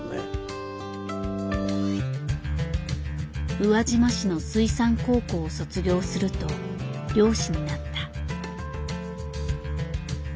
宇和島市の水産高校を卒業すると漁師になった。